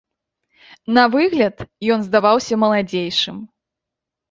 На выгляд ён здаваўся маладзейшым.